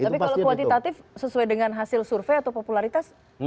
tapi kalau kuantitatif sesuai dengan hasil survei atau popularitas